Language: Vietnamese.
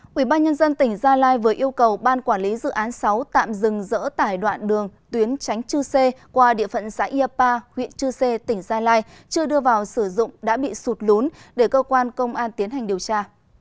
quỹ ban nhân dân tỉnh gia lai vừa yêu cầu ban quản lý dự án sáu tạm dừng rỡ tải đoạn đường tuyến tránh chư sê qua địa phận xã yapa huyện chư sê tỉnh gia lai chưa đưa vào sử dụng đã bị sụt lún để cơ quan công an tiến hành điều tra